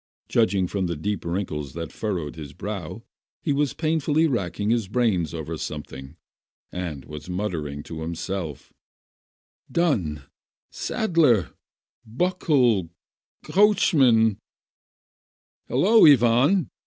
Judging from the deep wrinkles that furrowed his brow, he was painfully racking his brains over some thing, and was muttering to himself: " Dunn — Sadler— Buckle — Coachman " "Hello, Ivan